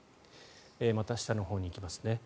また下のほうに行きますね。